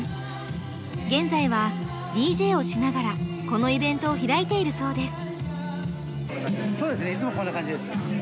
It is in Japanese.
現在はＤＪをしながらこのイベントを開いているそうです。